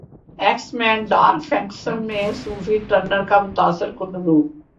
x Men Dark Phoenix میں Sophie Turner کا متاثر کن روپ